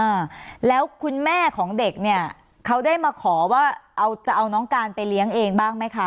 อ่าแล้วคุณแม่ของเด็กเนี่ยเขาได้มาขอว่าเอาจะเอาน้องการไปเลี้ยงเองบ้างไหมคะ